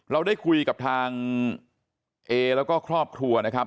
เราได้คุยกับทางเอแล้วก็ครอบครัวนะครับ